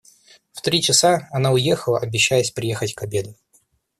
В три часа и она уехала, обещаясь приехать к обеду.